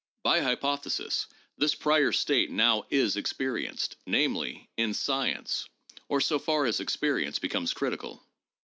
By hypothesis, this prior state now is experienced, namely, in science, or so far as experience becomes critical.